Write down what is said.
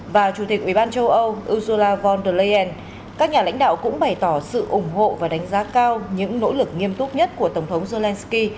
và chủ tịch ủy ban châu âu ursula von der leyen các nhà lãnh đạo cũng bày tỏ sự ủng hộ và đánh giá cao những nỗ lực nghiêm túc nhất của tổng thống zelensky